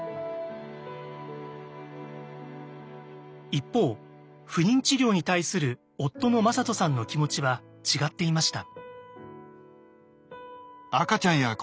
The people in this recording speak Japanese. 一方不妊治療に対する夫の魔裟斗さんの気持ちは違っていました。